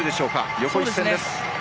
横一線です。